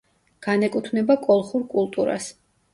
განეკუთვნება კოლხურ კულტურას.